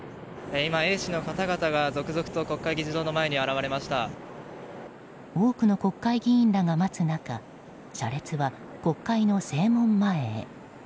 今、衛視の方々が続々と国会議事堂の前に多くの国会議員らが待つ中車列は国会の正門前へ。